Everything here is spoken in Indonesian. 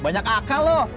banyak akal lu